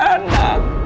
tangkap tenangan dari